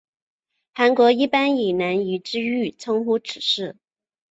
韩国一般以南怡之狱称呼此事。